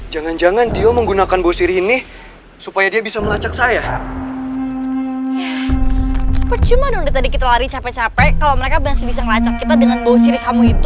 jangan jangan ini opo yakidahin biar saya gak bisa lari